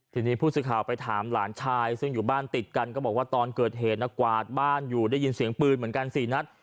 ทีนี้ผู้สื่อข่าวไปถามหลานชายซึ่งอยู่บ้านติดกันก็บอกว่าตอนเกิดเหตุนะกวาดบ้านอยู่ได้ยินเสียงปืนเหมือนกัน๔นัด